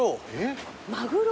マグロ。